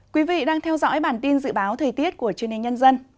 quý vị đang theo dõi bản tin dự báo thời tiết của chương trình nhân dân